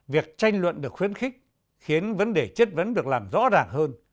việc tranh luận được khuyến khích khiến vấn đề chất vấn được làm rõ ràng hơn